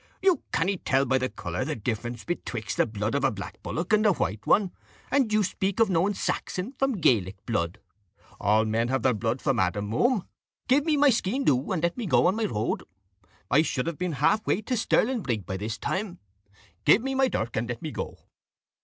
You cannot tell by the colour the difference betwixt the blood of a black bullock and a white one, and you speak of knowing Saxon from Gaelic blood. All men have their blood from Adam, muhme. Give me my skene dhu, and let me go on my road. I should have been half way to Stirling brig by this time. Give me my dirk, and let me go."